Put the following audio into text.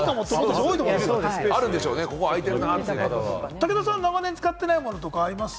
武田さん、長年使ってないものとかあります？